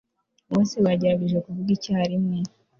bose bagerageje kuvuga icyarimwe